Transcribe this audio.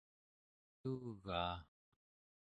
paltuugaa